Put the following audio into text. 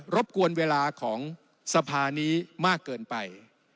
บกวนเวลาของสภานี้มากเกินไป